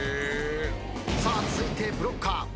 さあ続いてブロッカー。